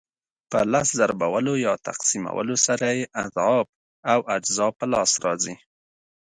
په لس ضربولو یا تقسیمولو سره یې اضعاف او اجزا په لاس راځي.